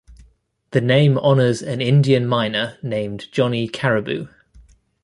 The name honors an Indian miner named Johnny Caribou.